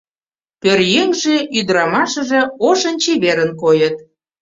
Пӧръеҥже, ӱдырамашыже ошын-чеверын койыт.